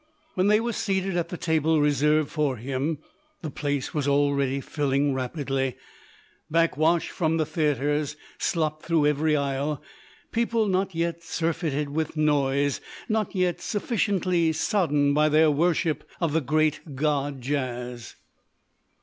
When they were seated at the table reserved for him the place already was filling rapidly—backwash from the theatres slopped through every aisle—people not yet surfeited with noise, not yet sufficiently sodden by their worship of the great god Jazz.